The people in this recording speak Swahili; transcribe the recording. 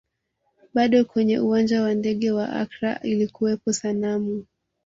Bado kwenye uwanja wa ndege wa Accra ilikuwepo sanamu